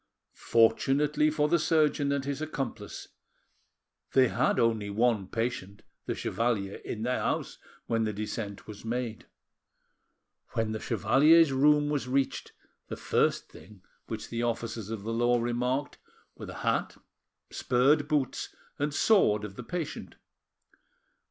Fortunately for the surgeon and his accomplice, they had only one patient—the chevalier—in their house when the descent was made. When the chevalier's room was reached, the first thing which the officers of the law remarked were the hat, spurred boots, and sword of the patient.